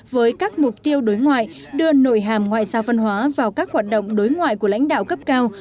với các mục tiêu đối ngoại đưa nội hàm ngoại giao văn hóa vào các hoạt động đối ngoại của lãnh đạo cấp cao